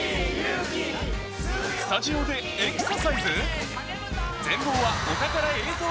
スタジオでエクササイズ？